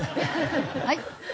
はい？